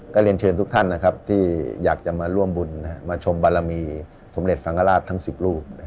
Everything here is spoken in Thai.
ก็เรียนเชิญทุกท่านนะครับที่อยากจะมาร่วมบุญมาชมบารมีสมเด็จสังฆราชทั้ง๑๐ลูก